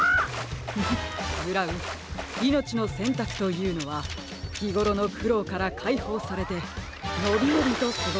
フフッブラウン「いのちのせんたく」というのはひごろのくろうからかいほうされてのびのびとすごすことですよ。